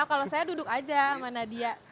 kalau saya duduk aja sama nadia